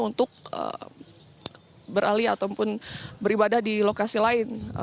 untuk beralih ataupun beribadah di lokasi lain